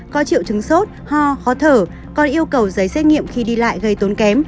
khó chịu trứng sốt ho khó thở còn yêu cầu giấy xét nghiệm khi đi lại gây tốn kém